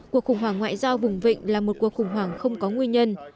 cuộc khủng hoảng ngoại giao vùng vịnh là một cuộc khủng hoảng không có nguyên nhân